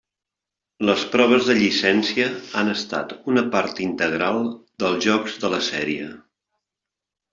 Les proves de llicència han estat una part integral dels jocs de la sèrie.